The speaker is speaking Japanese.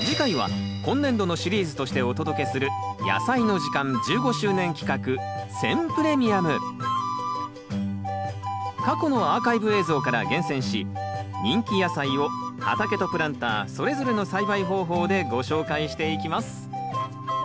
次回は今年度のシリーズとしてお届けする過去のアーカイブ映像から厳選し人気野菜を「畑」と「プランター」それぞれの栽培方法でご紹介していきます。